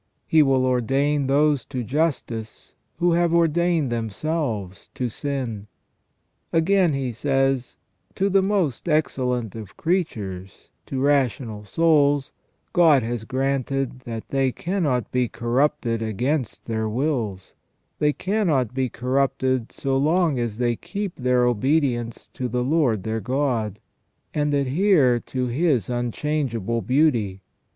He will ordain those to justice who have ordained themselves to sin." * Again, he says :" To the most excellent of creatures, to rational souls, God has granted that they cannot be corrupted against their wills ; they cannot be corrupted so long as they keep their obedience to the Lord their God, and adhere to His unchangeable beauty.